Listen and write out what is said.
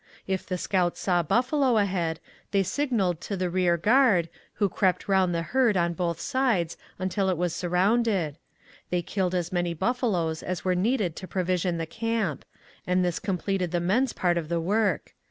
If the scouts saw buffalo ahead, they signalled to the rear guard, who crept round the herd on both sides until it was surrounded. They killed as many buffaloes as were needed to provision the camp, and this completed the men's part of the work.